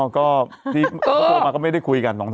ก็พ่อโทรมาก็ไม่ได้คุยกัน๒๓วันนี้